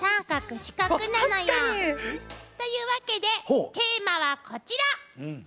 確かに。というわけでテーマはこちら！